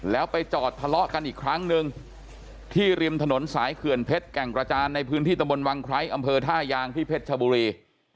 แล้วไปจอดทะเลาะกันอีกครั้งนึงที่ริมถนนสายเขื่อนเพชรแก่งกระจานในพื้นที่ตะบนวังไคร้อำเภอท่ายางที่เพชรชบุรี